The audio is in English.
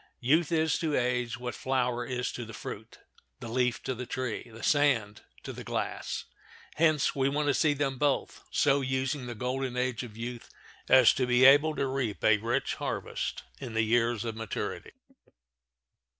Youth is to age what the flower is to the fruit, the leaf to the tree, the sand to the glass. Hence we want to see them both so using the golden age of youth as to be able to reap a rich harvest in the years of maturity.